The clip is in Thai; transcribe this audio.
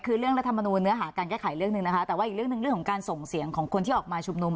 คือเรื่องรัฐมนูลเนื้อหาการแก้ไขเรื่องหนึ่งนะคะแต่ว่าอีกเรื่องหนึ่งเรื่องของการส่งเสียงของคนที่ออกมาชุมนุม